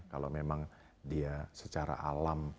kalau memang dia secara alam